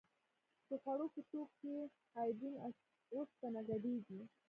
د خوړو په توکو کې ایوډین او اوسپنه ګډیږي؟